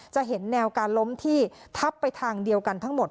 จะเห็นแนวการล้มที่ทับไปทางเดียวกันทั้งหมด